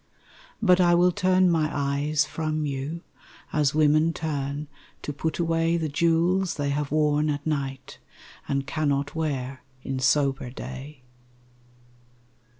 But I will turn my eyes from you As women turn to put away The jewels they have worn at night And cannot wear in sober day.